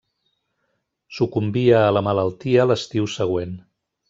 Sucumbia a la malaltia l'estiu següent.